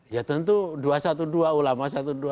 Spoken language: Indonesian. ya tentu dua ratus dua belas ulama dua ratus dua belas